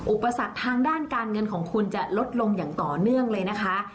อุปสรรคทางด้านการเงินของคุณจะลดลงอย่างต่อเนื่องเลยนะคะ